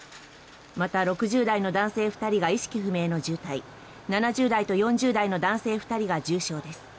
また、６０代の男性２人が意識不明の重体７０代と４０代の男性２人が重症です。